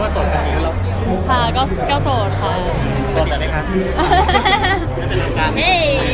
สดแบบไหนคะ